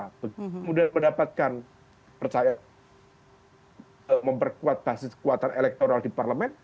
kemudian mendapatkan percaya memperkuat basis kekuatan elektoral di parlemen